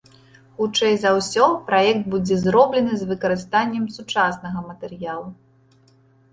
Хутчэй за ўсё, праект будзе зроблены з выкарыстаннем сучаснага матэрыялу.